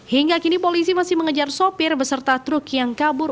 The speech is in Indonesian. hingga kini polisi masih mengejar sopir beserta truk yang kabur